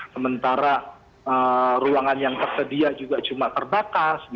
sementara ruangan yang tersedia juga cuma terbatas